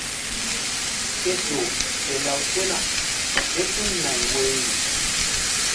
Kéƴo ke law sena kétul nay woyri.